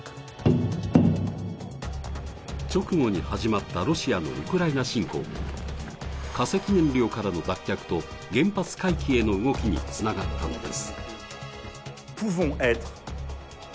直後に始まったロシアのウクライナ侵攻も化石燃料からの脱却と原発回帰への動きにつながったのです。